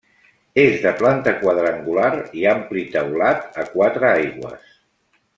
És de planta quadrangular i ampli teulat a quatre aigües.